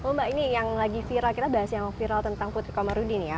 oh mbak ini yang lagi viral kita bahas yang viral tentang putri komarudin ya